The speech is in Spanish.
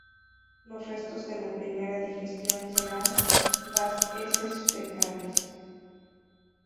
Los restos de la primera digestión serán las heces fecales.